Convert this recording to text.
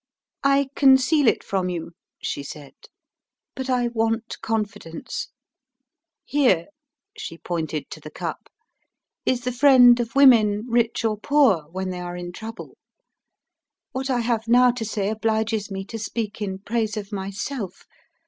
"I conceal it from you," she said, "but I want confidence Here" (she pointed to the cup) "is the friend of women, rich or poor, when they are in trouble. What I have now to say obliges me to speak in praise of myself.